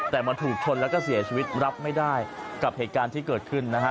แต่มาถูกชนแล้วก็เสียชีวิตรับไม่ได้กับเหตุการณ์ที่เกิดขึ้นนะฮะ